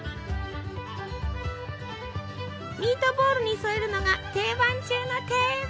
ミートボールに添えるのが定番中の定番。